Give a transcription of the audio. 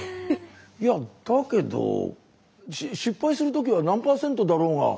いやだけど失敗するときは何％だろうが。